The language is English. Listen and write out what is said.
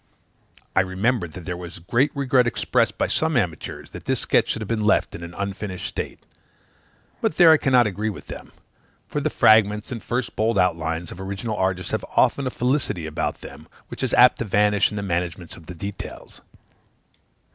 I remember that there was great regret expressed by some amateurs that this sketch should have been left in an unfinished state: but there I cannot agree with them; for the fragments and first bold outlines of original artists have often a felicity about them which is apt to vanish in the management of the details.